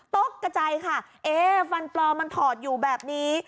กระจายค่ะเอ๊ฟันปลอมมันถอดอยู่แบบนี้